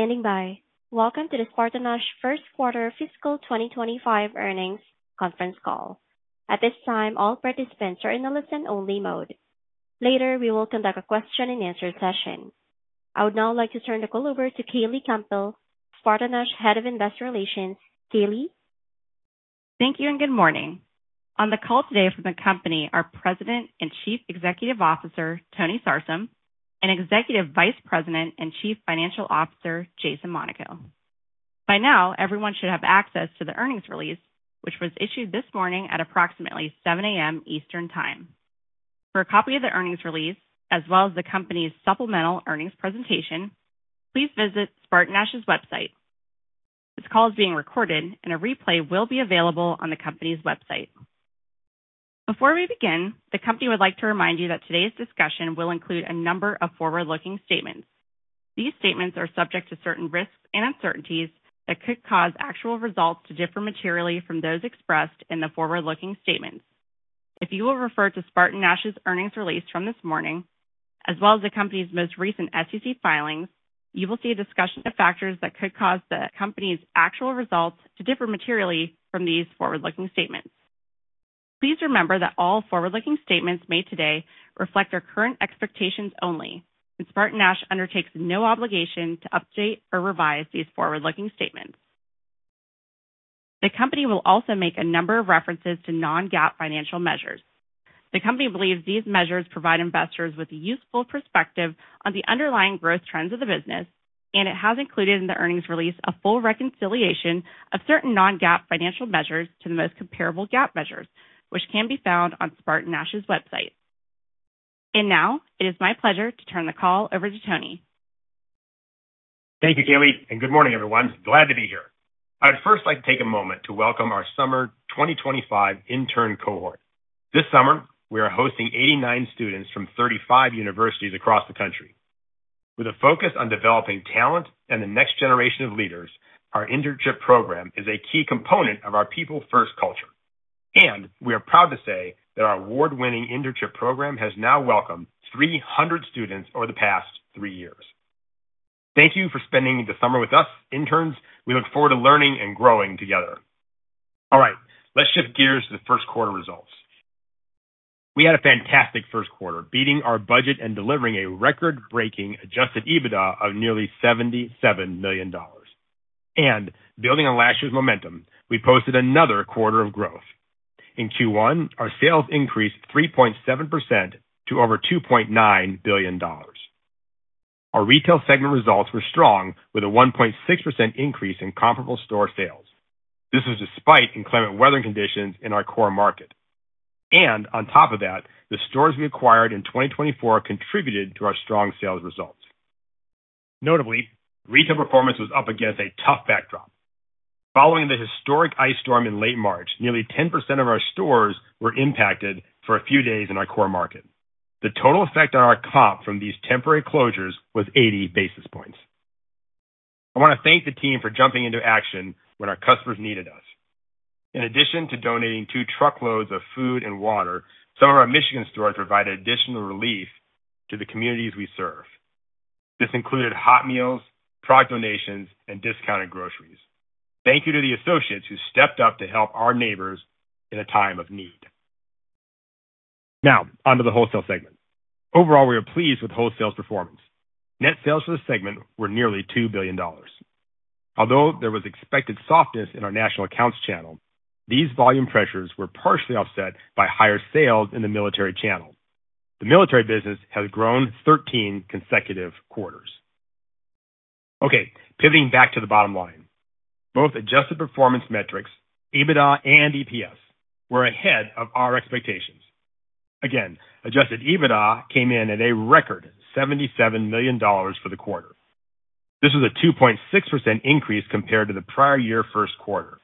Thank you for standing by. Welcome to the SpartanNash First Quarter Fiscal 2025 Earnings Conference Call. At this time, all participants are in the listen-only mode. Later, we will conduct a question-and-answer session. I would now like to turn the call over to Kayleigh Campbell, SpartanNash Head of Investor Relations. Kayleigh? Thank you and good morning. On the call today from the company are President and Chief Executive Officer Tony Sarsam and Executive Vice President and Chief Financial Officer Jason Monaco. By now, everyone should have access to the earnings release, which was issued this morning at approximately 7:00 A.M. Eastern Time. For a copy of the earnings release, as well as the company's supplemental earnings presentation, please visit SpartanNash's website. This call is being recorded, and a replay will be available on the company's website. Before we begin, the company would like to remind you that today's discussion will include a number of forward-looking statements. These statements are subject to certain risks and uncertainties that could cause actual results to differ materially from those expressed in the forward-looking statements. If you will refer to SpartanNash's earnings release from this morning, as well as the company's most recent SEC filings, you will see a discussion of factors that could cause the company's actual results to differ materially from these forward-looking statements. Please remember that all forward-looking statements made today reflect our current expectations only, and SpartanNash undertakes no obligation to update or revise these forward-looking statements. The company will also make a number of references to non-GAAP financial measures. The company believes these measures provide investors with a useful perspective on the underlying growth trends of the business, and it has included in the earnings release a full reconciliation of certain non-GAAP financial measures to the most comparable GAAP measures, which can be found on SpartanNash's website. It is my pleasure to turn the call over to Tony. Thank you, Kayleigh, and good morning, everyone. Glad to be here. I would first like to take a moment to welcome our Summer 2025 Intern Cohort. This summer, we are hosting 89 students from 35 universities across the country. With a focus on developing talent and the next generation of leaders, our internship program is a key component of our people-first culture. We are proud to say that our award-winning internship program has now welcomed 300 students over the past three years. Thank you for spending the summer with us, interns. We look forward to learning and growing together. All right, let's shift gears to the first quarter results. We had a fantastic first quarter, beating our budget and delivering a record-breaking adjusted EBITDA of nearly $77 million. Building on last year's momentum, we posted another quarter of growth. In Q1, our sales increased 3.7% to over $2.9 billion. Our retail segment results were strong, with a 1.6% increase in comparable store sales. This was despite inclement weather conditions in our core market. On top of that, the stores we acquired in 2024 contributed to our strong sales results. Notably, retail performance was up against a tough backdrop. Following the historic ice storm in late March, nearly 10% of our stores were impacted for a few days in our core market. The total effect on our comp from these temporary closures was 80 basis points. I want to thank the team for jumping into action when our customers needed us. In addition to donating two truckloads of food and water, some of our Michigan stores provided additional relief to the communities we serve. This included hot meals, product donations, and discounted groceries. Thank you to the associates who stepped up to help our neighbors in a time of need. Now, on to the wholesale segment. Overall, we are pleased with wholesale's performance. Net sales for the segment were nearly $2 billion. Although there was expected softness in our national accounts channel, these volume pressures were partially offset by higher sales in the military channel. The military business has grown 13 consecutive quarters. Okay, pivoting back to the bottom line. Both adjusted performance metrics, EBITDA, and EPS were ahead of our expectations. Again, adjusted EBITDA came in at a record $77 million for the quarter. This was a 2.6% increase compared to the prior year's first quarter.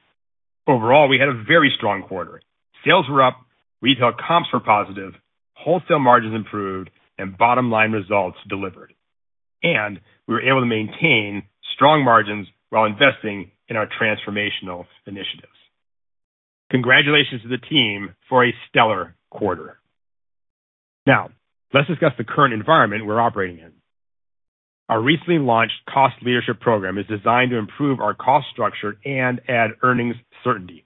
Overall, we had a very strong quarter. Sales were up, retail comps were positive, wholesale margins improved, and bottom-line results delivered. We were able to maintain strong margins while investing in our transformational initiatives. Congratulations to the team for a stellar quarter. Now, let's discuss the current environment we're operating in. Our recently launched cost leadership program is designed to improve our cost structure and add earnings certainty.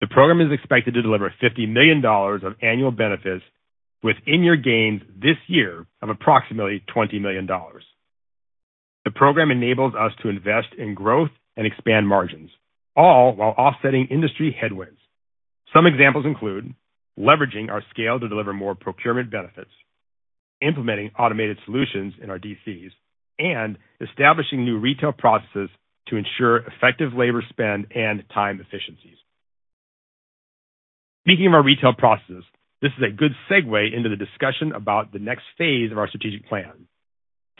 The program is expected to deliver $50 million of annual benefits within your gains this year of approximately $20 million. The program enables us to invest in growth and expand margins, all while offsetting industry headwinds. Some examples include leveraging our scale to deliver more procurement benefits, implementing automated solutions in our DCs, and establishing new retail processes to ensure effective labor spend and time efficiencies. Speaking of our retail processes, this is a good segue into the discussion about the next phase of our strategic plan.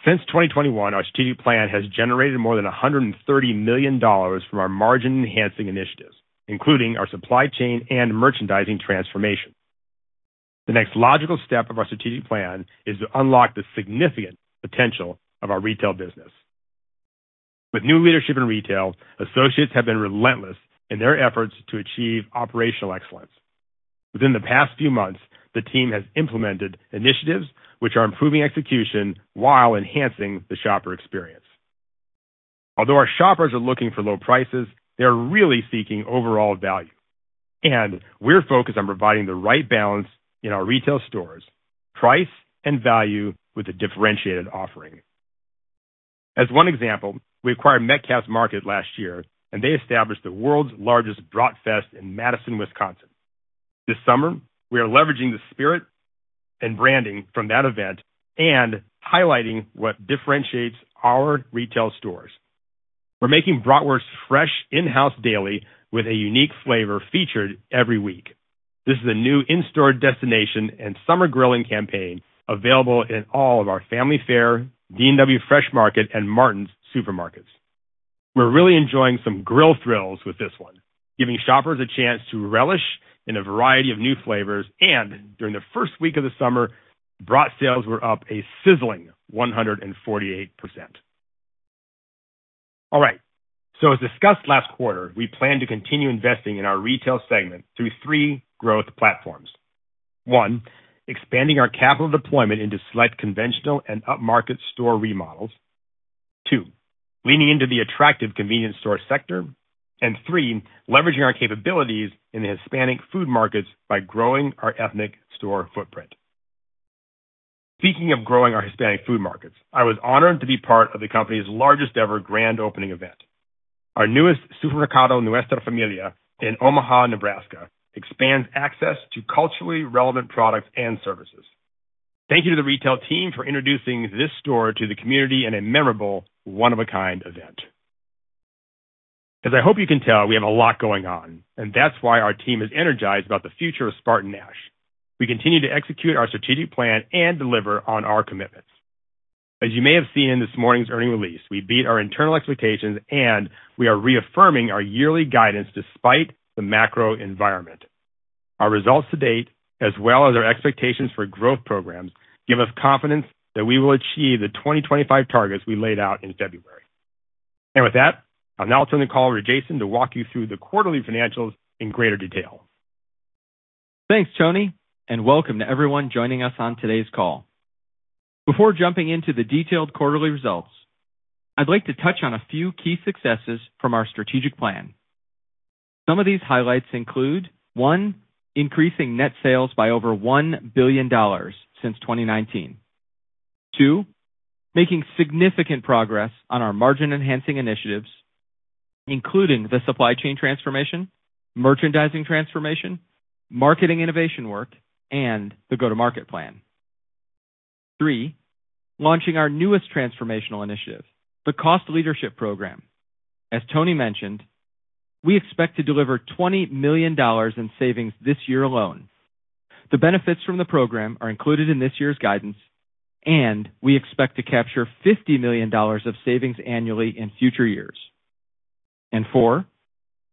Since 2021, our strategic plan has generated more than $130 million from our margin-enhancing initiatives, including our supply chain and merchandising transformation. The next logical step of our strategic plan is to unlock the significant potential of our retail business. With new leadership in retail, associates have been relentless in their efforts to achieve operational excellence. Within the past few months, the team has implemented initiatives which are improving execution while enhancing the shopper experience. Although our shoppers are looking for low prices, they are really seeking overall value. We are focused on providing the right balance in our retail stores, price and value with a differentiated offering. As one example, we acquired Metcalfe's Market last year, and they established the world's largest Brat Fest in Madison, Wisconsin. This summer, we are leveraging the spirit and branding from that event and highlighting what differentiates our retail stores. We are making bratwurst fresh in-house daily with a unique flavor featured every week. This is a new in-store destination and summer grilling campaign available in all of our Family Fare, D&W Fresh Market, and Martin's Super Markets. We're really enjoying some grill thrills with this one, giving shoppers a chance to relish in a variety of new flavors. During the first week of the summer, Brat sales were up a sizzling 148%. All right, as discussed last quarter, we plan to continue investing in our retail segment through three growth platforms. One, expanding our capital deployment into select conventional and up-market store remodels. Two, leaning into the attractive convenience store sector. Three, leveraging our capabilities in the Hispanic food markets by growing our ethnic store footprint. Speaking of growing our Hispanic food markets, I was honored to be part of the company's largest-ever grand opening event. Our newest Supermercado Nuestra Familia in Omaha, Nebraska, expands access to culturally relevant products and services. Thank you to the retail team for introducing this store to the community in a memorable, one-of-a-kind event. As I hope you can tell, we have a lot going on, and that's why our team is energized about the future of SpartanNash. We continue to execute our strategic plan and deliver on our commitments. As you may have seen in this morning's earnings release, we beat our internal expectations, and we are reaffirming our yearly guidance despite the macro environment. Our results to date, as well as our expectations for growth programs, give us confidence that we will achieve the 2025 targets we laid out in February. With that, I'll now turn the call over to Jason to walk you through the quarterly financials in greater detail. Thanks, Tony, and welcome to everyone joining us on today's call. Before jumping into the detailed quarterly results, I'd like to touch on a few key successes from our strategic plan. Some of these highlights include: one, increasing net sales by over $1 billion since 2019; two, making significant progress on our margin-enhancing initiatives, including the supply chain transformation, merchandising transformation, marketing innovation work, and the go-to-market plan; three, launching our newest transformational initiative, the cost leadership program. As Tony mentioned, we expect to deliver $20 million in savings this year alone. The benefits from the program are included in this year's guidance, and we expect to capture $50 million of savings annually in future years; and four,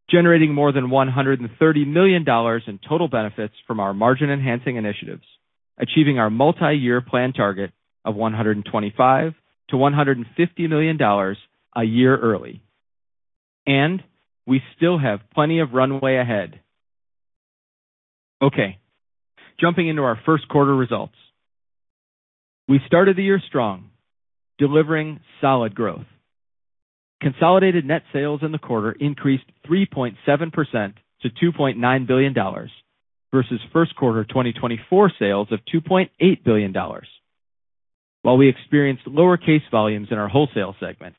generating more than $130 million in total benefits from our margin-enhancing initiatives, achieving our multi-year plan target of $125 to $150 million a year early. We still have plenty of runway ahead. Okay, jumping into our first quarter results. We started the year strong, delivering solid growth. Consolidated net sales in the quarter increased 3.7% to $2.9 billion versus first quarter 2024 sales of $2.8 billion. While we experienced lower case volumes in our wholesale segment,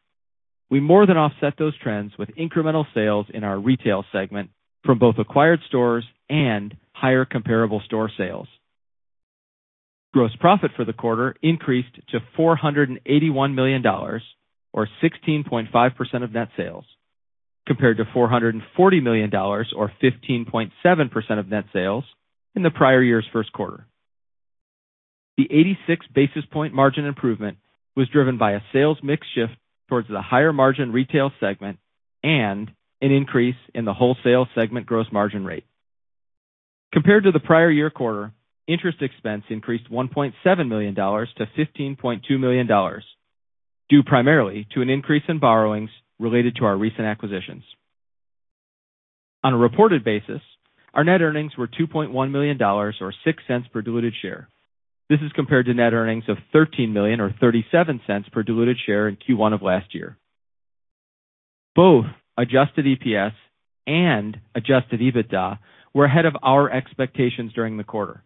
we more than offset those trends with incremental sales in our retail segment from both acquired stores and higher comparable store sales. Gross profit for the quarter increased to $481 million, or 16.5% of net sales, compared to $440 million, or 15.7% of net sales, in the prior year's first quarter. The 86 basis point margin improvement was driven by a sales mix shift towards the higher margin retail segment and an increase in the wholesale segment gross margin rate. Compared to the prior year quarter, interest expense increased $1.7 million to $15.2 million, due primarily to an increase in borrowings related to our recent acquisitions. On a reported basis, our net earnings were $2.1 million, or $0.06 per diluted share. This is compared to net earnings of $13 million, or $0.37 per diluted share in Q1 of last year. Both adjusted EPS and adjusted EBITDA were ahead of our expectations during the quarter.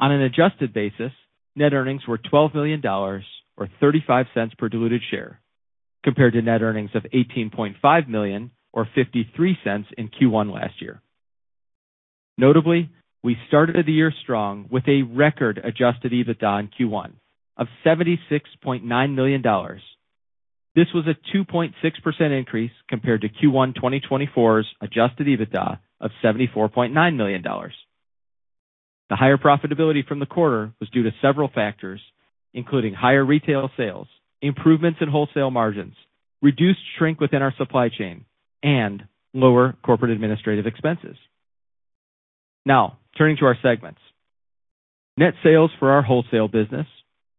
On an adjusted basis, net earnings were $12 million, or $0.35 per diluted share, compared to net earnings of $18.5 million, or $0.53 in Q1 last year. Notably, we started the year strong with a record adjusted EBITDA in Q1 of $76.9 million. This was a 2.6% increase compared to Q1 2024's adjusted EBITDA of $74.9 million. The higher profitability from the quarter was due to several factors, including higher retail sales, improvements in wholesale margins, reduced shrink within our supply chain, and lower corporate administrative expenses. Now, turning to our segments. Net sales for our wholesale business,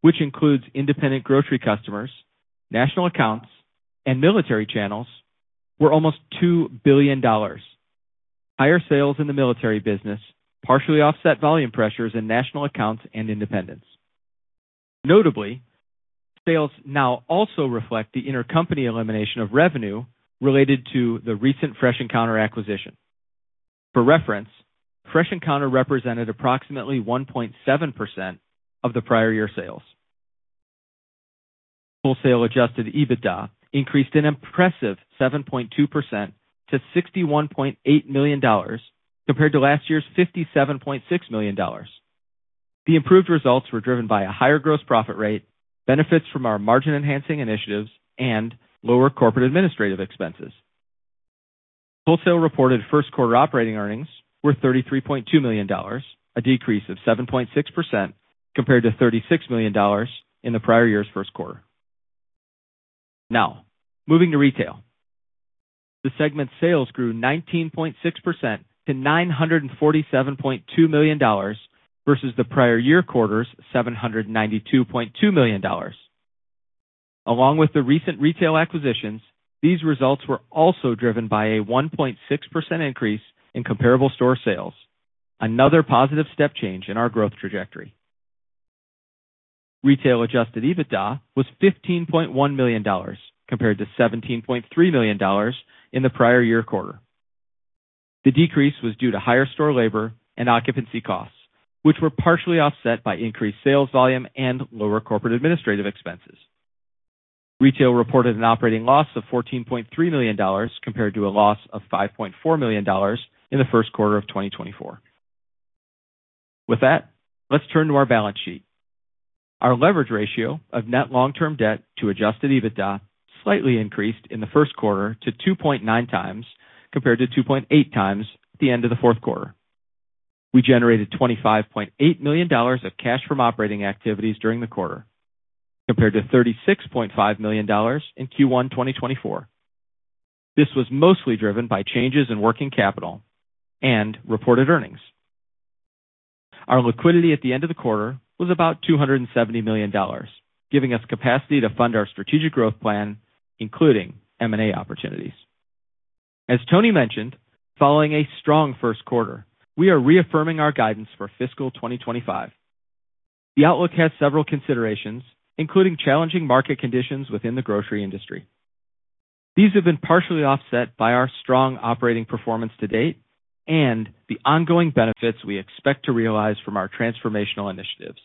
which includes independent grocery customers, national accounts, and military channels, were almost $2 billion. Higher sales in the military business partially offset volume pressures in national accounts and independents. Notably, sales now also reflect the intercompany elimination of revenue related to the recent Fresh Encounter acquisition. For reference, Fresh Encounter represented approximately 1.7% of the prior year's sales. Wholesale adjusted EBITDA increased an impressive 7.2% to $61.8 million compared to last year's $57.6 million. The improved results were driven by a higher gross profit rate, benefits from our margin-enhancing initiatives, and lower corporate administrative expenses. Wholesale reported first quarter operating earnings were $33.2 million, a decrease of 7.6% compared to $36 million in the prior year's first quarter. Now, moving to retail. The segment sales grew 19.6% to $947.2 million versus the prior year quarter's $792.2 million. Along with the recent retail acquisitions, these results were also driven by a 1.6% increase in comparable store sales, another positive step change in our growth trajectory. Retail adjusted EBITDA was $15.1 million compared to $17.3 million in the prior year quarter. The decrease was due to higher store labor and occupancy costs, which were partially offset by increased sales volume and lower corporate administrative expenses. Retail reported an operating loss of $14.3 million compared to a loss of $5.4 million in the first quarter of 2024. With that, let's turn to our balance sheet. Our leverage ratio of net long-term debt to adjusted EBITDA slightly increased in the first quarter to 2.9 times compared to 2.8 times at the end of the fourth quarter. We generated $25.8 million of cash from operating activities during the quarter compared to $36.5 million in Q1 2024. This was mostly driven by changes in working capital and reported earnings. Our liquidity at the end of the quarter was about $270 million, giving us capacity to fund our strategic growth plan, including M&A opportunities. As Tony mentioned, following a strong first quarter, we are reaffirming our guidance for fiscal 2025. The outlook has several considerations, including challenging market conditions within the grocery industry. These have been partially offset by our strong operating performance to date and the ongoing benefits we expect to realize from our transformational initiatives.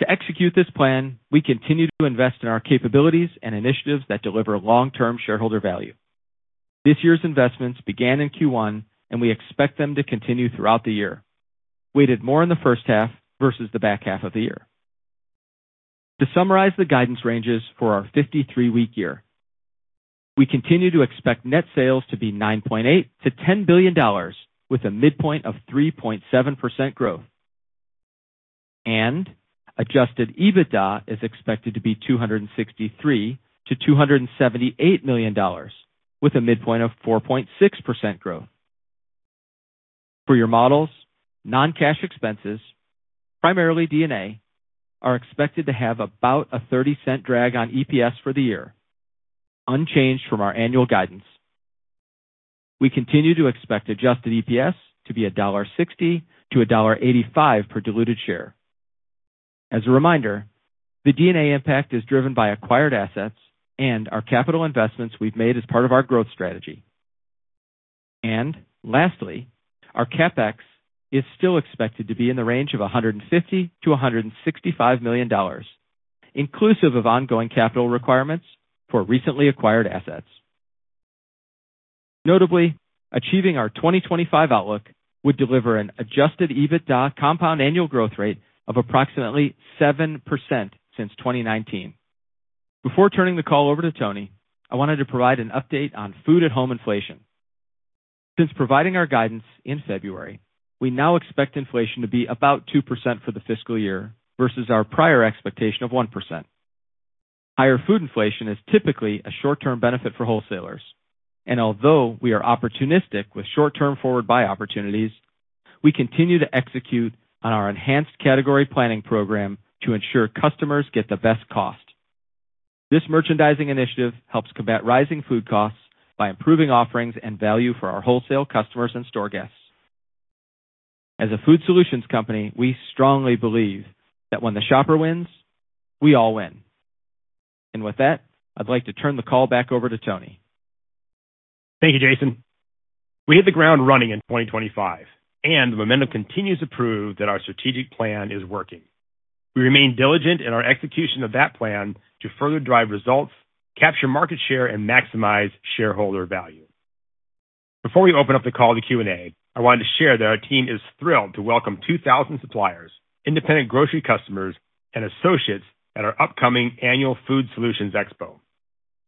To execute this plan, we continue to invest in our capabilities and initiatives that deliver long-term shareholder value. This year's investments began in Q1, and we expect them to continue throughout the year. We did more in the first half versus the back half of the year. To summarize the guidance ranges for our 53-week year, we continue to expect net sales to be $9.8 billion to $10 billion, with a midpoint of 3.7% growth. Adjusted EBITDA is expected to be $263 million to $278 million, with a midpoint of 4.6% growth. For your models, non-cash expenses, primarily D&A, are expected to have about a $0.30 drag on EPS for the year, unchanged from our annual guidance. We continue to expect adjusted EPS to be $1.60 to $1.85 per diluted share. As a reminder, the D&A impact is driven by acquired assets and our capital investments we've made as part of our growth strategy. Lastly, our CapEx is still expected to be in the range of $150 million to $165 million, inclusive of ongoing capital requirements for recently acquired assets. Notably, achieving our 2025 outlook would deliver an adjusted EBITDA compound annual growth rate of approximately 7% since 2019. Before turning the call over to Tony, I wanted to provide an update on food at home inflation. Since providing our guidance in February, we now expect inflation to be about 2% for the fiscal year versus our prior expectation of 1%. Higher food inflation is typically a short-term benefit for wholesalers. Although we are opportunistic with short-term forward buy opportunities, we continue to execute on our enhanced category planning program to ensure customers get the best cost. This merchandising initiative helps combat rising food costs by improving offerings and value for our wholesale customers and store guests. As a food solutions company, we strongly believe that when the shopper wins, we all win. With that, I'd like to turn the call back over to Tony. Thank you, Jason. We hit the ground running in 2025, and the momentum continues to prove that our strategic plan is working. We remain diligent in our execution of that plan to further drive results, capture market share, and maximize shareholder value. Before we open up the call to Q&A, I wanted to share that our team is thrilled to welcome 2,000 suppliers, independent grocery customers, and associates at our upcoming annual Food Solutions Expo.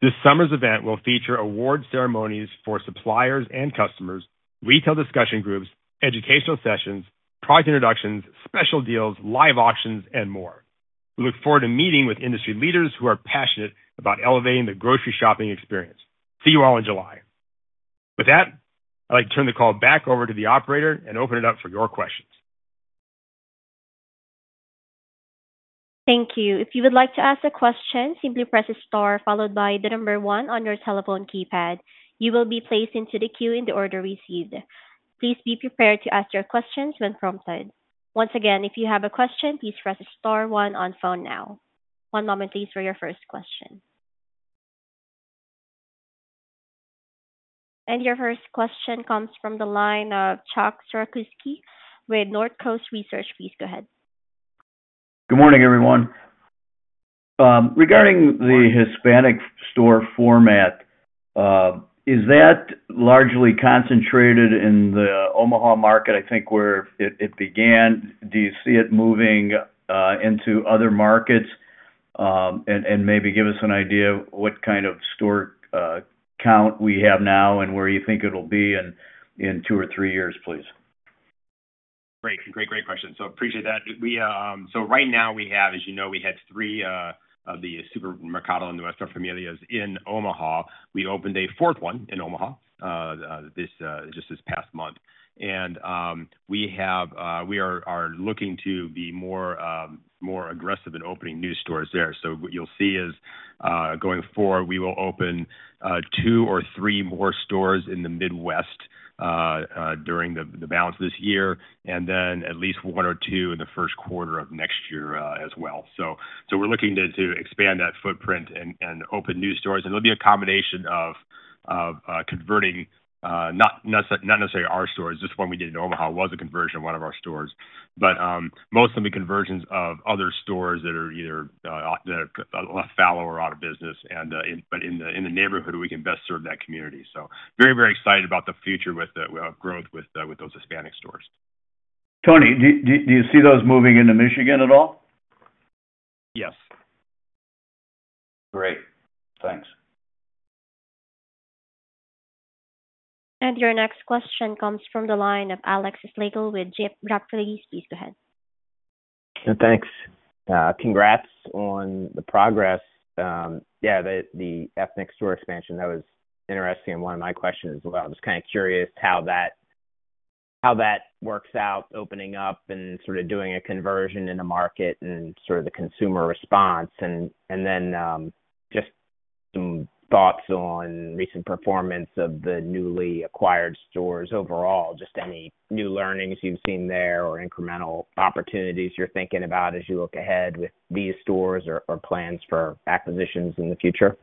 This summer's event will feature award ceremonies for suppliers and customers, retail discussion groups, educational sessions, product introductions, special deals, live auctions, and more. We look forward to meeting with industry leaders who are passionate about elevating the grocery shopping experience. See you all in July. With that, I'd like to turn the call back over to the operator and open it up for your questions. Thank you. If you would like to ask a question, simply press star followed by the number one on your telephone keypad. You will be placed into the queue in the order we see. Please be prepared to ask your questions when prompted. Once again, if you have a question, please press star one on phone now. One moment, please, for your first question. Your first question comes from the line of Chuck Cerankosky with Northcoast Research. Please go ahead. Good morning, everyone. Regarding the Hispanic store format, is that largely concentrated in the Omaha market? I think where it began. Do you see it moving into other markets and maybe give us an idea of what kind of store count we have now and where you think it'll be in two or three years, please? Great, great, great question. I appreciate that. Right now, we have, as you know, we had three of the Supermercado Nuestra Familia in Omaha. We opened a fourth one in Omaha just this past month. We are looking to be more aggressive in opening new stores there. What you'll see is going forward, we will open two or three more stores in the Midwest during the balance of this year, and then at least one or two in the first quarter of next year as well. We're looking to expand that footprint and open new stores. It'll be a combination of converting not necessarily our stores, just the one we did in Omaha was a conversion, one of our stores, but mostly conversions of other stores that are either a lot fallow or out of business, but in the neighborhood, we can best serve that community. Very, very excited about the future with growth with those Hispanic stores. Tony, do you see those moving into Michigan at all? Yes. Great. Thanks. Your next question comes from the line of Alex Slagle with Jefferies. Please go ahead. Thanks. Congrats on the progress. Yeah, the ethnic store expansion, that was interesting and one of my questions as well. I'm just kind of curious how that works out, opening up and sort of doing a conversion in the market and sort of the consumer response. Then just some thoughts on recent performance of the newly acquired stores overall, just any new learnings you've seen there or incremental opportunities you're thinking about as you look ahead with these stores or plans for acquisitions in the future?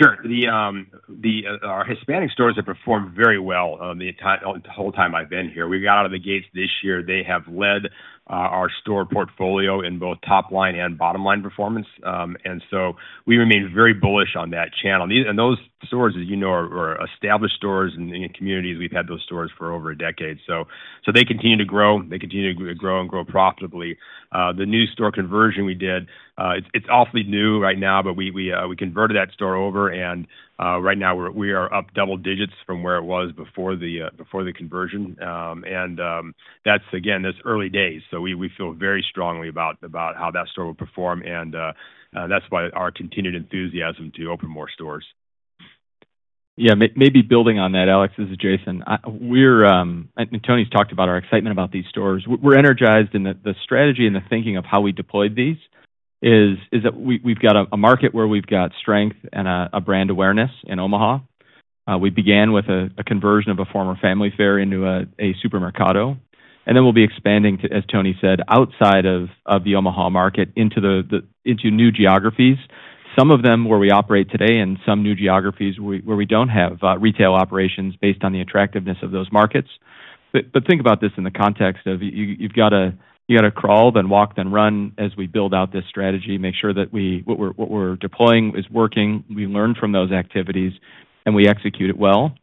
Sure. Our Hispanic stores have performed very well the whole time I've been here. We got out of the gates this year. They have led our store portfolio in both top-line and bottom-line performance. We remain very bullish on that channel. Those stores, as you know, are established stores in communities. We've had those stores for over a decade. They continue to grow. They continue to grow and grow profitably. The new store conversion we did, it's awfully new right now, but we converted that store over. Right now, we are up double digits from where it was before the conversion. That's, again, this early days. We feel very strongly about how that store will perform. That's why our continued enthusiasm to open more stores. Yeah, maybe building on that, Alex, this is Jason. Tony's talked about our excitement about these stores. We're energized in the strategy and the thinking of how we deployed these is that we've got a market where we've got strength and a brand awareness in Omaha. We began with a conversion of a former Family Fare into a supermercado. We will be expanding, as Tony said, outside of the Omaha market into new geographies, some of them where we operate today and some new geographies where we do not have retail operations based on the attractiveness of those markets. Think about this in the context of you have to crawl, then walk, then run as we build out this strategy, make sure that what we're deploying is working. We learn from those activities, and we execute it well.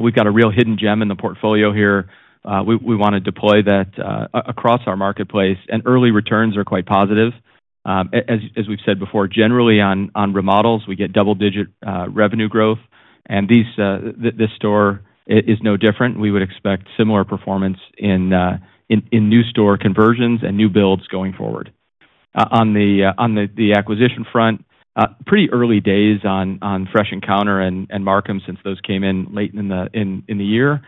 We've got a real hidden gem in the portfolio here. We want to deploy that across our marketplace. Early returns are quite positive. As we've said before, generally on remodels, we get double-digit revenue growth. This store is no different. We would expect similar performance in new store conversions and new builds going forward. On the acquisition front, pretty early days on Fresh Encounter and Markham since those came in late in the year,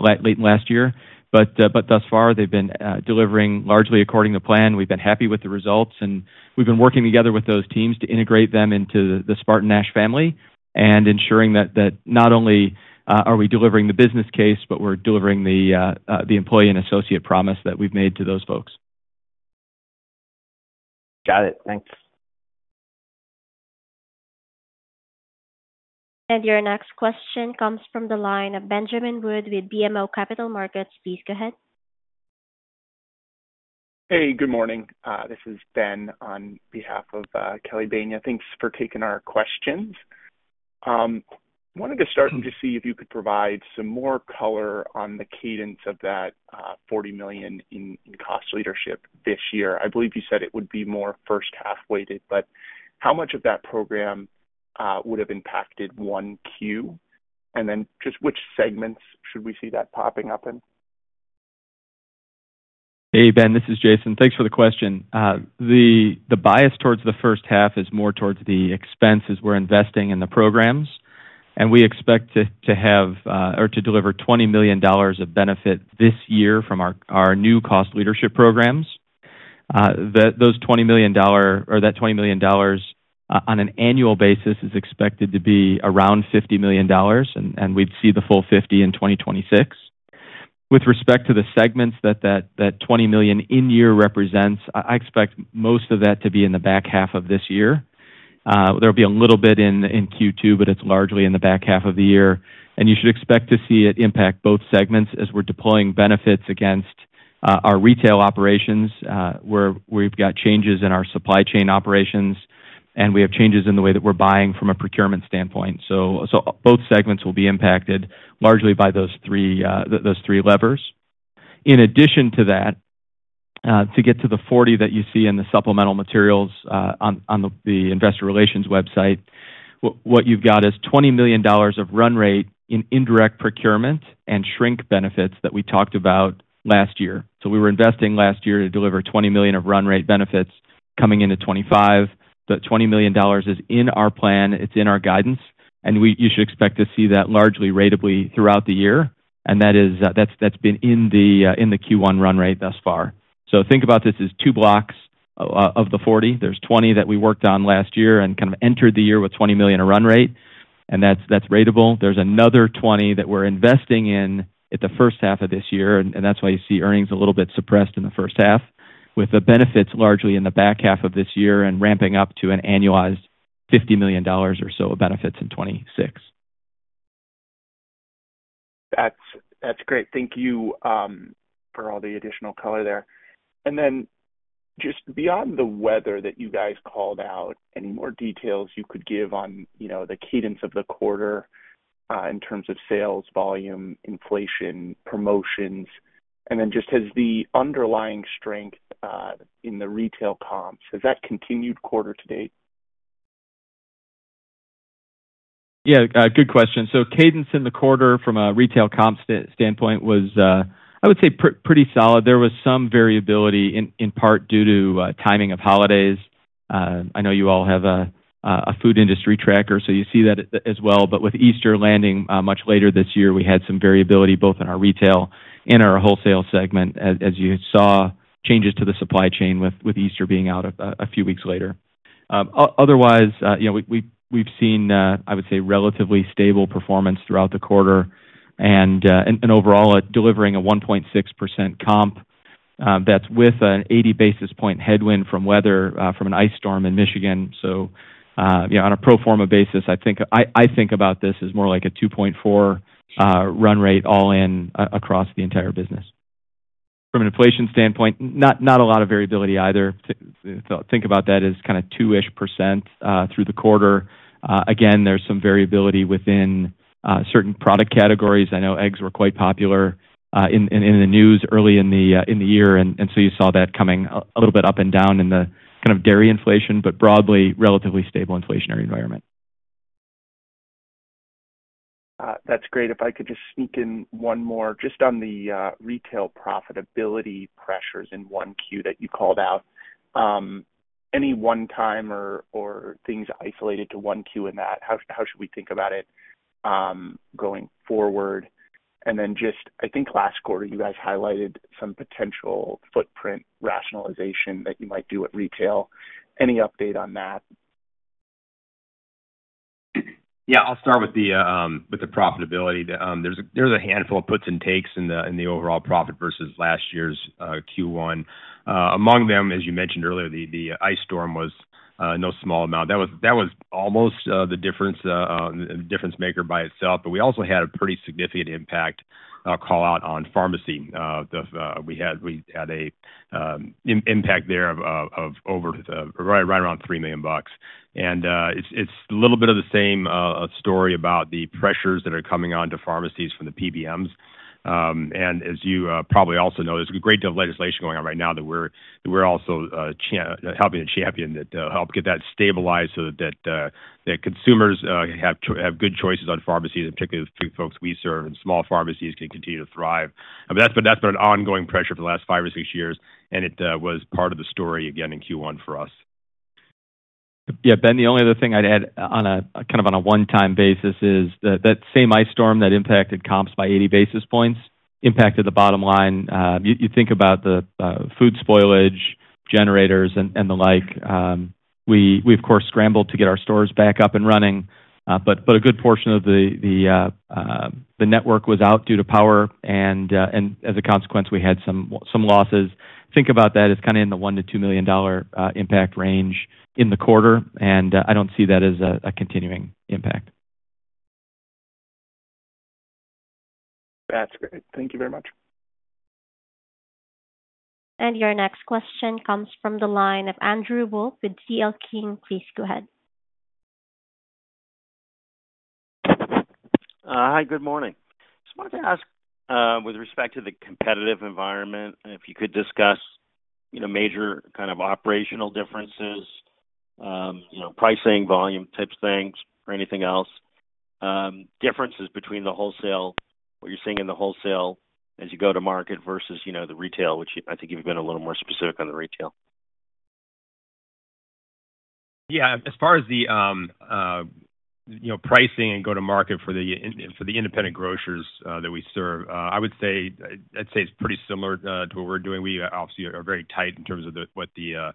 late last year. Thus far, they've been delivering largely according to plan. We've been happy with the results. We've been working together with those teams to integrate them into the SpartanNash family and ensuring that not only are we delivering the business case, but we're delivering the employee and associate promise that we've made to those folks. Got it. Thanks. Your next question comes from the line of Benjamin Wood with BMO Capital Markets. Please go ahead. Hey, good morning. This is Ben on behalf of Kelly Baigner. Thanks for taking our questions. Wanted to start to see if you could provide some more color on the cadence of that $40 million in cost leadership this year. I believe you said it would be more first half weighted, but how much of that program would have impacted Q1? And then just which segments should we see that popping up in? Hey, Ben, this is Jason. Thanks for the question. The bias towards the first half is more towards the expenses we're investing in the programs. We expect to have or to deliver $20 million of benefit this year from our new cost leadership programs. That $20 million on an annual basis is expected to be around $50 million. We would see the full $50 million in 2026. With respect to the segments that $20 million in year represents, I expect most of that to be in the back half of this year. There will be a little bit in Q2, but it is largely in the back half of the year. You should expect to see it impact both segments as we are deploying benefits against our retail operations where we have changes in our supply chain operations, and we have changes in the way that we are buying from a procurement standpoint. Both segments will be impacted largely by those three levers. In addition to that, to get to the 40 that you see in the supplemental materials on the investor relations website, what you have is $20 million of run rate in indirect procurement and shrink benefits that we talked about last year. We were investing last year to deliver $20 million of run rate benefits coming into 2025. That $20 million is in our plan. It is in our guidance. You should expect to see that largely ratably throughout the year. That has been in the Q1 run rate thus far. Think about this as two blocks of the 40. There is 20 that we worked on last year and kind of entered the year with $20 million of run rate. That is ratable. There is another 20 that we are investing in at the first half of this year. That is why you see earnings a little bit suppressed in the first half, with the benefits largely in the back half of this year and ramping up to an annualized $50 million or so of benefits in 2026. That's great. Thank you for all the additional color there. Just beyond the weather that you guys called out, any more details you could give on the cadence of the quarter in terms of sales volume, inflation, promotions, and just as the underlying strength in the retail comps, has that continued quarter to date? Yeah, good question. Cadence in the quarter from a retail comp standpoint was, I would say, pretty solid. There was some variability in part due to timing of holidays. I know you all have a food industry tracker, so you see that as well. With Easter landing much later this year, we had some variability both in our retail and our wholesale segment, as you saw changes to the supply chain with Easter being out a few weeks later. Otherwise, we've seen, I would say, relatively stable performance throughout the quarter and overall delivering a 1.6% comp. That is with an 80 basis point headwind from weather from an ice storm in Michigan. On a pro forma basis, I think about this as more like a 2.4% run rate all in across the entire business. From an inflation standpoint, not a lot of variability either. Think about that as kind of 2%-ish through the quarter. Again, there's some variability within certain product categories. I know eggs were quite popular in the news early in the year. You saw that coming a little bit up and down in the kind of dairy inflation, but broadly, relatively stable inflationary environment. That's great. If I could just sneak in one more just on the retail profitability pressures in Q1 that you called out. Any one-time or things isolated to Q1 in that, how should we think about it going forward? Then just, I think last quarter, you guys highlighted some potential footprint rationalization that you might do at retail. Any update on that? Yeah, I'll start with the profitability. There's a handful of puts and takes in the overall profit versus last year's Q1. Among them, as you mentioned earlier, the ice storm was no small amount. That was almost the difference maker by itself. We also had a pretty significant impact call out on pharmacy. We had an impact there of over, right around $3 million. It's a little bit of the same story about the pressures that are coming on to pharmacies from the PBMs. As you probably also know, there's a great deal of legislation going on right now that we're also helping to champion that help get that stabilized so that consumers have good choices on pharmacies, particularly the folks we serve, and small pharmacies can continue to thrive. That's been an ongoing pressure for the last five or six years. It was part of the story again in Q1 for us. Yeah, Ben, the only other thing I'd add kind of on a one-time basis is that same ice storm that impacted comps by 80 basis points impacted the bottom line. You think about the food spoilage, generators, and the like. We, of course, scrambled to get our stores back up and running. A good portion of the network was out due to power. As a consequence, we had some losses. Think about that as kind of in the $1 million to $2 million impact range in the quarter. I don't see that as a continuing impact. That's great. Thank you very much. Your next question comes from the line of Andrew Wolf with CL King. Please go ahead. Hi, good morning. Just wanted to ask with respect to the competitive environment, if you could discuss major kind of operational differences, pricing, volume-type things, or anything else, differences between the wholesale, what you're seeing in the wholesale as you go to market versus the retail, which I think you've been a little more specific on the retail. Yeah, as far as the pricing and go to market for the independent grocers that we serve, I would say it's pretty similar to what we're doing. We obviously are very tight in terms of what the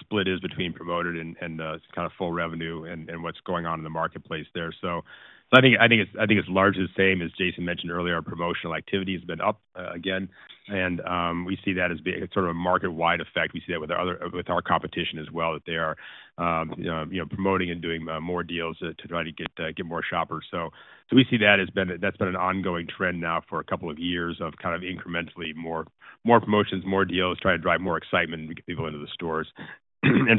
split is between promoted and kind of full revenue and what's going on in the marketplace there. I think it's largely the same as Jason mentioned earlier. Our promotional activity has been up again. We see that as being sort of a market-wide effect. We see that with our competition as well, that they are promoting and doing more deals to try to get more shoppers. We see that as been that's been an ongoing trend now for a couple of years of kind of incrementally more promotions, more deals, trying to drive more excitement and get people into the stores.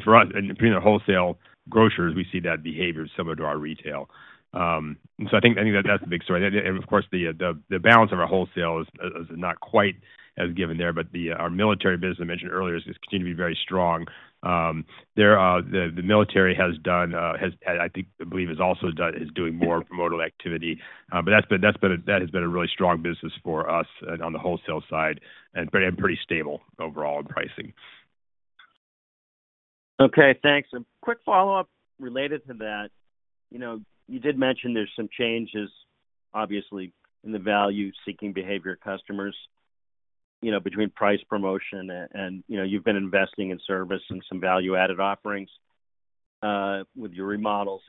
For us, between the wholesale grocers, we see that behavior similar to our retail. I think that's the big story. Of course, the balance of our wholesale is not quite as given there. Our military business, I mentioned earlier, has continued to be very strong. The military has done, I believe, is also doing more promoted activity. That has been a really strong business for us on the wholesale side and pretty stable overall in pricing. Okay, thanks. A quick follow-up related to that. You did mention there's some changes, obviously, in the value-seeking behavior of customers between price promotion. You've been investing in service and some value-added offerings with your remodels.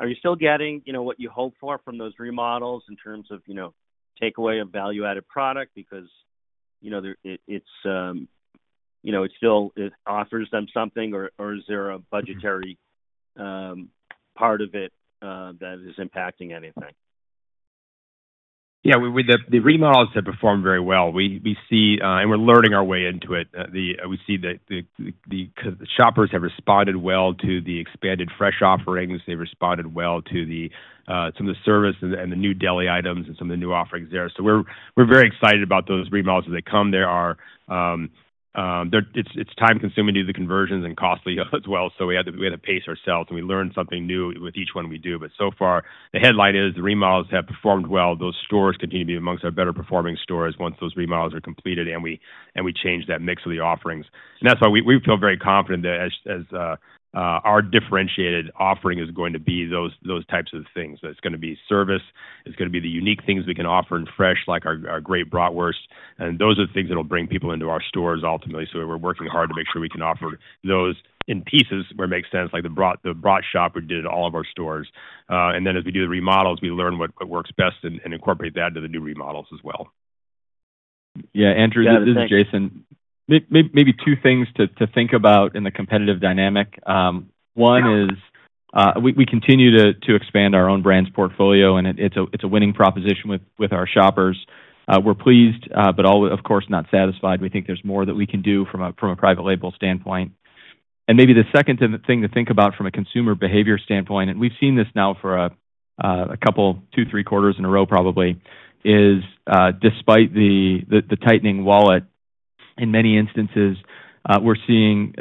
Are you still getting what you hope for from those remodels in terms of takeaway of value-added product because it still offers them something, or is there a budgetary part of it that is impacting anything? Yeah, the remodels have performed very well. We're learning our way into it. We see that the shoppers have responded well to the expanded fresh offerings. They've responded well to some of the service and the new deli items and some of the new offerings there. We are very excited about those remodels as they come. It's time-consuming to do the conversions and costly as well. We had to pace ourselves. We learned something new with each one we do. The headline is the remodels have performed well. Those stores continue to be amongst our better-performing stores once those remodels are completed, and we change that mix of the offerings. That's why we feel very confident that our differentiated offering is going to be those types of things. It's going to be service. It's going to be the unique things we can offer in fresh, like our great bratwurst. And those are the things that will bring people into our stores ultimately. So we're working hard to make sure we can offer those in pieces where it makes sense, like the Brat Shop we did in all of our stores. And then as we do the remodels, we learn what works best and incorporate that into the new remodels as well. Yeah, Andrew, this is Jason. Maybe two things to think about in the competitive dynamic. One is we continue to expand our own brand's portfolio, and it's a winning proposition with our shoppers. We're pleased, but of course, not satisfied. We think there's more that we can do from a private label standpoint. Maybe the second thing to think about from a consumer behavior standpoint, and we've seen this now for a couple, two, three quarters in a row probably, is despite the tightening wallet, in many instances, we're seeing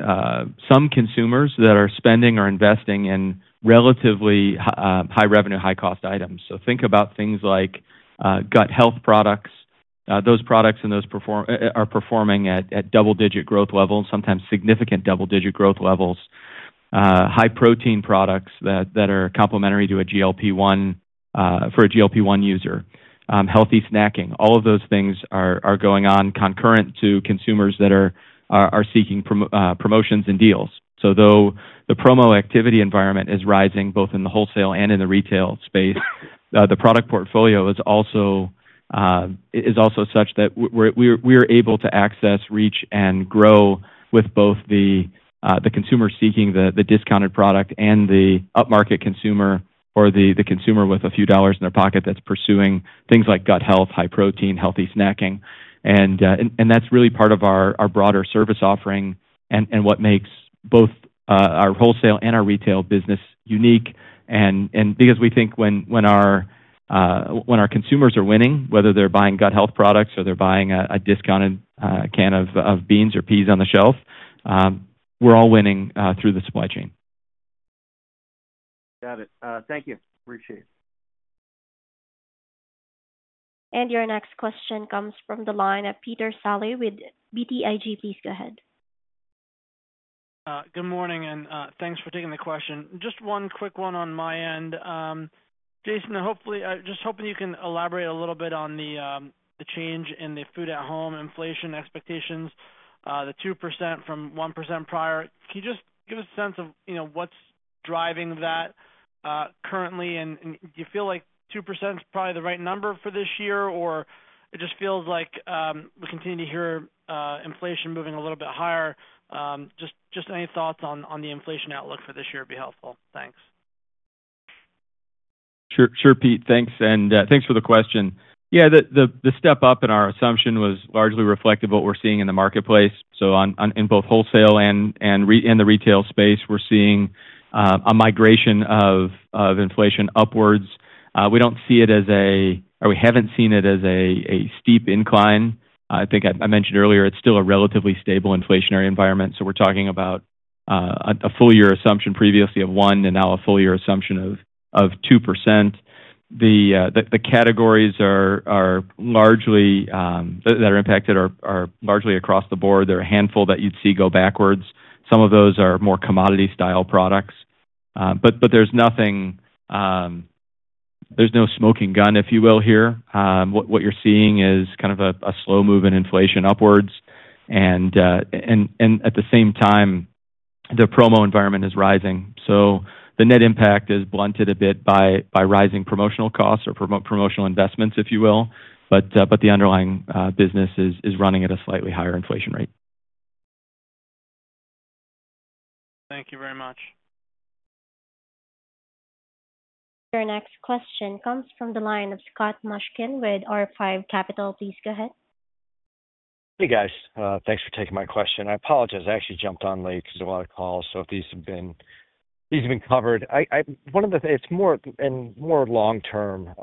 some consumers that are spending or investing in relatively high-revenue, high-cost items. Think about things like gut health products. Those products are performing at double-digit growth levels, sometimes significant double-digit growth levels. High-protein products that are complementary to a GLP-1 for a GLP-1 user. Healthy snacking. All of those things are going on concurrent to consumers that are seeking promotions and deals. Though the promo activity environment is rising both in the wholesale and in the retail space, the product portfolio is also such that we're able to access, reach, and grow with both the consumer seeking the discounted product and the up-market consumer or the consumer with a few dollars in their pocket that's pursuing things like gut health, high-protein, healthy snacking. That is really part of our broader service offering and what makes both our wholesale and our retail business unique. We think when our consumers are winning, whether they're buying gut health products or they're buying a discounted can of beans or peas on the shelf, we're all winning through the supply chain. Got it. Thank you. Appreciate it. Your next question comes from the line of Peter Saleh with BTIG. Please go ahead. Good morning, and thanks for taking the question. Just one quick one on my end. Jason, just hoping you can elaborate a little bit on the change in the food-at-home inflation expectations, the 2% from 1% prior. Can you just give us a sense of what's driving that currently? Do you feel like 2% is probably the right number for this year, or it just feels like we continue to hear inflation moving a little bit higher? Just any thoughts on the inflation outlook for this year would be helpful. Thanks. Sure, Pete. Thanks. And thanks for the question. Yeah, the step up in our assumption was largely reflective of what we're seeing in the marketplace. In both wholesale and the retail space, we're seeing a migration of inflation upwards. We don't see it as a, or we haven't seen it as a steep incline. I think I mentioned earlier, it's still a relatively stable inflationary environment. We're talking about a full-year assumption previously of 1% and now a full-year assumption of 2%. The categories that are impacted are largely across the board. There are a handful that you'd see go backwards. Some of those are more commodity-style products. There's no smoking gun, if you will, here. What you're seeing is kind of a slow move in inflation upwards. At the same time, the promo environment is rising. The net impact is blunted a bit by rising promotional costs or promotional investments, if you will. But the underlying business is running at a slightly higher inflation rate. Thank you very much. Your next question comes from the line of Scott Mushkin with R5 Capital. Please go ahead. Hey, guys. Thanks for taking my question. I apologize. I actually jumped on late because there were a lot of calls. If these have been covered. One of the things that's more long-term,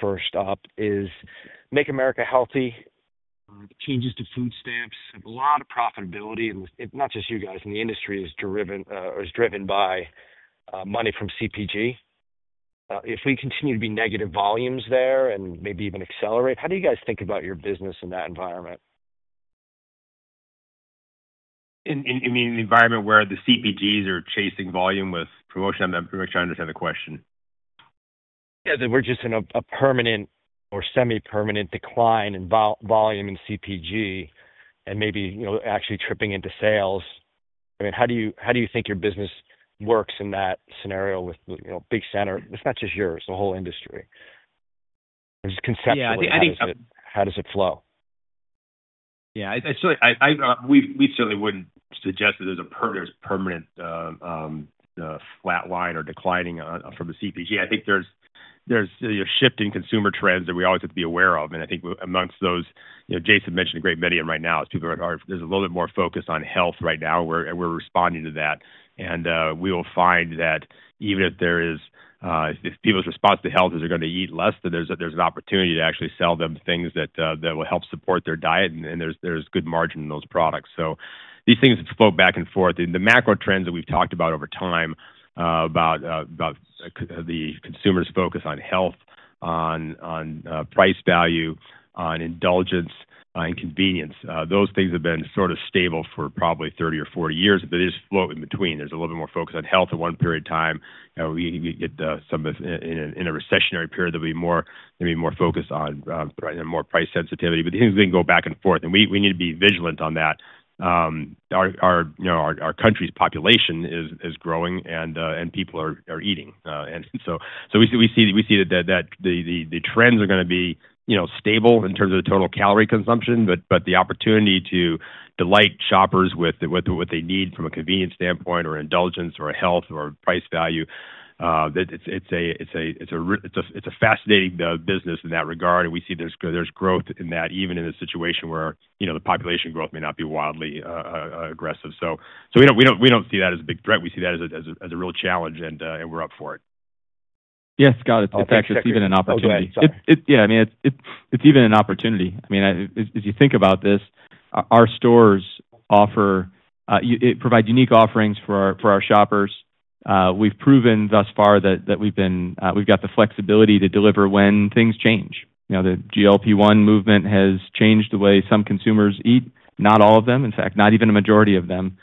first off, is Make America Healthy. Changes to food stamps have a lot of profitability. Not just you guys. The industry is driven by money from CPG. If we continue to be negative volumes there and maybe even accelerate, how do you guys think about your business in that environment? In the environment where the CPGs are chasing volume with promotion, I'm not sure I understand the question. Yeah, we're just in a permanent or semi-permanent decline in volume in CPG and maybe actually tripping into sales. I mean, how do you think your business works in that scenario with big standard? It's not just yours. The whole industry. It's conceptual. How does it flow? Yeah, we certainly wouldn't suggest that there's a permanent flat line or declining from the CPG. I think there's shifting consumer trends that we always have to be aware of. I think amongst those, Jason mentioned a great many of them right now, is people are, there's a little bit more focus on health right now. We're responding to that. We will find that even if there is, if people's response to health is they're going to eat less, then there's an opportunity to actually sell them things that will help support their diet. There's good margin in those products. These things have flowed back and forth. The macro trends that we've talked about over time about the consumer's focus on health, on price value, on indulgence, on convenience, those things have been sort of stable for probably 30 or 40 years. There is flow in between. There is a little bit more focus on health at one period of time. We get some in a recessionary period, there will be more focus on more price sensitivity. Things can go back and forth. We need to be vigilant on that. Our country's population is growing, and people are eating. We see that the trends are going to be stable in terms of the total calorie consumption. The opportunity to delight shoppers with what they need from a convenience standpoint or indulgence or health or price value, it is a fascinating business in that regard. We see there is growth in that, even in a situation where the population growth may not be wildly aggressive. We do not see that as a big threat. We see that as a real challenge, and we are up for it. Yes, Scott. It's actually even an opportunity. Yeah, I mean, it's even an opportunity. I mean, as you think about this, our stores offer, it provides unique offerings for our shoppers. We've proven thus far that we've got the flexibility to deliver when things change. The GLP-1 movement has changed the way some consumers eat, not all of them, in fact, not even a majority of them.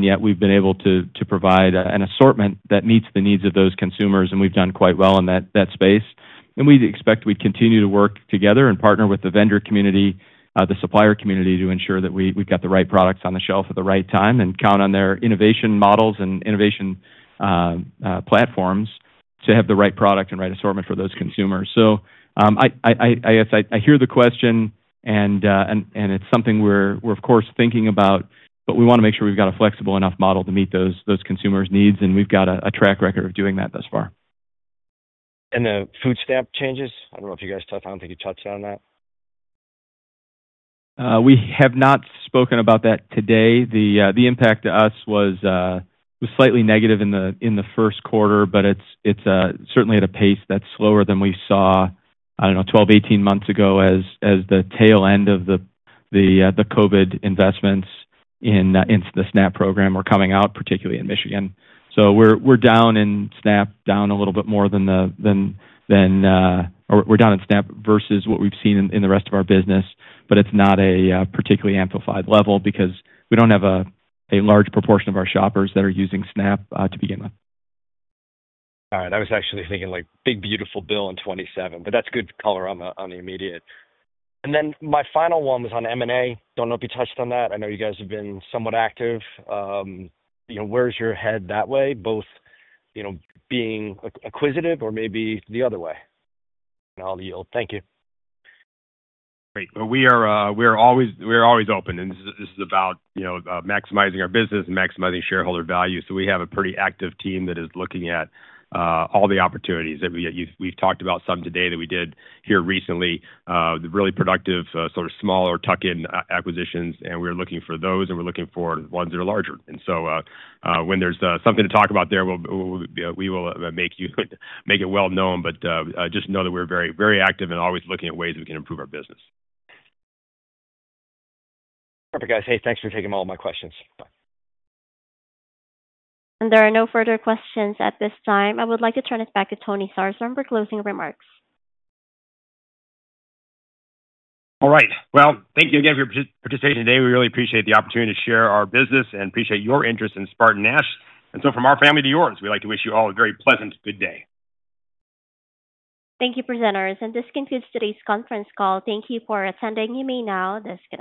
Yet we've been able to provide an assortment that meets the needs of those consumers, and we've done quite well in that space. We expect we continue to work together and partner with the vendor community, the supplier community to ensure that we've got the right products on the shelf at the right time and count on their innovation models and innovation platforms to have the right product and right assortment for those consumers. I guess I hear the question, and it's something we're, of course, thinking about. We want to make sure we've got a flexible enough model to meet those consumers' needs. We've got a track record of doing that thus far. The food stamp changes? I don't know if you guys touched on it. I don't think you touched on that. We have not spoken about that today. The impact to us was slightly negative in the first quarter, but it is certainly at a pace that is slower than we saw, I do not know, 12, 18 months ago as the tail end of the COVID investments in the SNAP program were coming out, particularly in Michigan. We are down in SNAP, down a little bit more than we are down in SNAP versus what we have seen in the rest of our business. It is not a particularly amplified level because we do not have a large proportion of our shoppers that are using SNAP to begin with. All right. I was actually thinking like big, beautiful build in 2027. That is good color on the immediate. My final one was on M&A. Do not know if you touched on that. I know you guys have been somewhat active. Where is your head that way, both being acquisitive or maybe the other way? I will yield. Thank you. We are always open. This is about maximizing our business and maximizing shareholder value. We have a pretty active team that is looking at all the opportunities. We've talked about some today that we did here recently, the really productive sort of smaller tuck-in acquisitions. We're looking for those, and we're looking for ones that are larger. When there's something to talk about there, we will make it well known. Just know that we're very active and always looking at ways we can improve our business. Perfect, guys. Hey, thanks for taking all of my questions. Bye. There are no further questions at this time. I would like to turn it back to Tony Sarsam for closing remarks. All right. Thank you again for your participation today. We really appreciate the opportunity to share our business and appreciate your interest in SpartanNash. From our family to yours, we'd like to wish you all a very pleasant good day. Thank you, presenters. This concludes today's conference call. Thank you for attending. You may now disconnect.